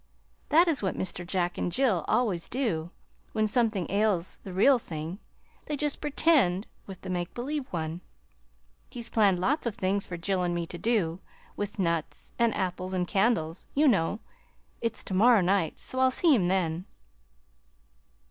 That is what Mr. Jack and Jill always do; when something ails the real thing, they just pretend with the make believe one. He's planned lots of things for Jill and me to do; with nuts and apples and candles, you know. It's to morrow night, so I'll see him then."